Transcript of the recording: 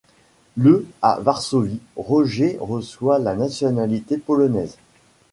Le à Varsovie, Roger reçoit la nationalité polonaise.